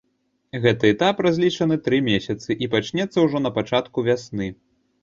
Гэты этап разлічаны тры месяцы і пачнецца ўжо на пачатку вясны.